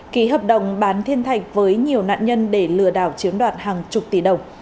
ký hợp đồng bán thiên thạch với nhiều nạn nhân để lừa đảo chiếm đoạt hàng chục tỷ đồng